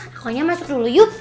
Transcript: pokoknya masuk dulu yuk